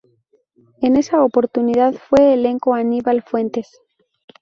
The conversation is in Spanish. En esa oportunidad fue electo Aníbal Fuentes.